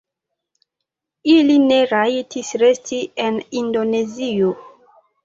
Ili ne rajtis resti en Indonezio.